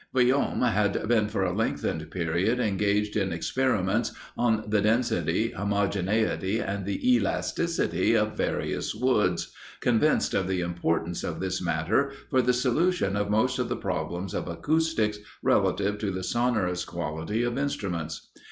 Vuillaume had been for a lengthened period engaged in experiments on the density, homogeneity, and the elasticity of various woods, convinced of the importance of this matter for the solution of most of the problems of acoustics relative to the sonorous quality of instruments.